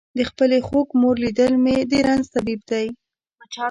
د خپلې خوږ مور لیدل مې د رنځ طبیب دی.